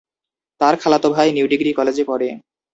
তার খালাতো ভাই নিউ ডিগ্রি কলেজে পড়ে।